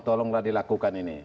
tolonglah dilakukan ini